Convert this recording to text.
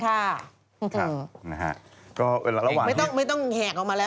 ครับนะฮะก็ระหว่างที่ไม่ต้องแหกออกมาแล้ว